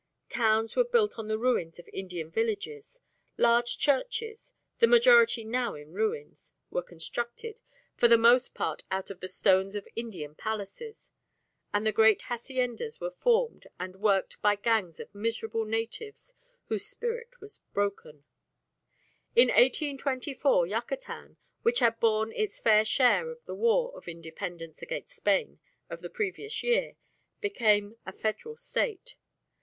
Towns were built on the ruins of Indian villages; large churches the majority now in ruins were constructed, for the most part, out of the stones of Indian palaces, and the great haciendas were formed and worked by gangs of miserable natives whose spirit was broken. In 1824 Yucatan, which had borne its fair share in the War of Independence against Spain of the previous year, became a Federal State.